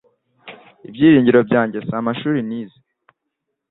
Ibyiringiro byanjye si amashuri nize